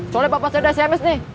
soalnya bapak saya udah sms nih